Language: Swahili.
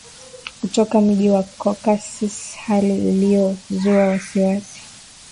kutoka mji wa cockasis hali ilio zua wasiwasi